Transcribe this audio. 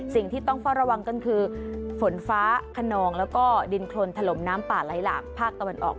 สิ่งที่ต้องเฝ้าระวังก็คือฝนฟ้าขนองแล้วก็ดินโครนถล่มน้ำป่าไหลหลากภาคตะวันออก